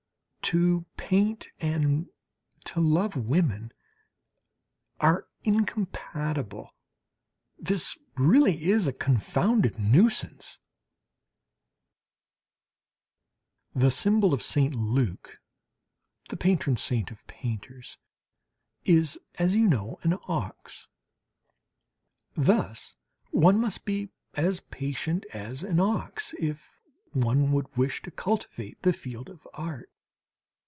To paint and to love women are incompatible. This is really a confounded nuisance! The symbol of St. Luke, the patron saint of painters, is as you know an ox. Thus one must be as patient as an ox if one would wish to cultivate the field of art.